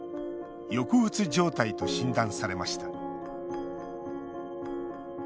抑うつ状態と診断されました。